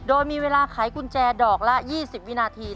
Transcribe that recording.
โดยมีเวลาไขกุญแจดอกละ๒๐วินาที